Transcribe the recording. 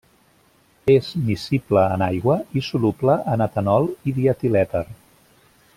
És miscible en aigua i soluble en etanol i dietilèter.